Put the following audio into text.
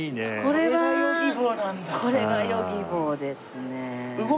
これがヨギボーですね。